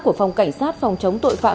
của phòng cảnh sát phòng trung tội phạm